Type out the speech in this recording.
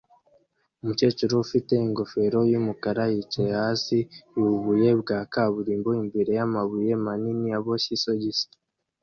Umukecuru ufite ingofero yumukara yicaye hasi yubuye bwa kaburimbo imbere yamabuye manini aboshye isogisi